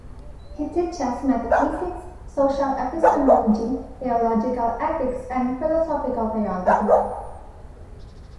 He teaches metaphysics, social epistemology, theological ethics, and philosophical theology.